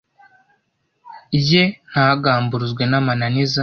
ye ntagamburuzwe n'amananiza.